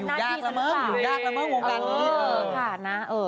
อยู่ยากละเมิงอยู่ยากละเมิงวงการนี้